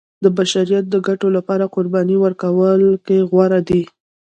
د بشریت د ګټو لپاره قربانۍ ورکولو کې غوره دی.